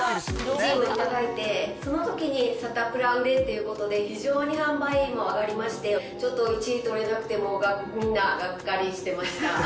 １位に輝いて、そのときにサタプラ売れということで、非常に販売も上がりまして、ちょっと１位取れなくて、みんながっかりしてました。